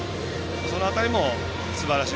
その辺りもすばらしい。